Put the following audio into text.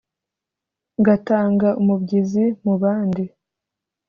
ngatanga umubyizi mu bandi